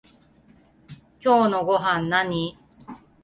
今日のごはんなに？